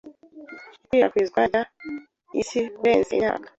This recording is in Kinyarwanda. Ikwirakwizwa rya Isi Kurenza imyaka